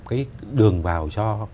cái đường vào cho